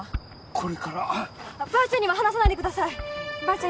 これからばあちゃんには話さないでくださいばあちゃん